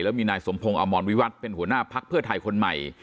แล้วมีนายสมพงศ์อมรวิวัตรเป็นหัวหน้าพักเพื่อไทยคนใหม่